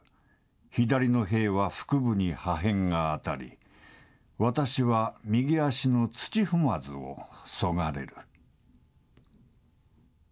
左の兵は腹部に破片が当たり、私は右足の土踏まずを削がれる。